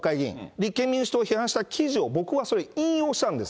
立憲民主党を批判した記事を僕はそれを引用したんです。